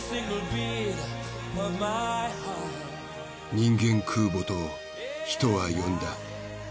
人間空母と人は呼んだ。